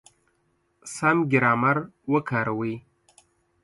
سم ګرامر وکاروئ!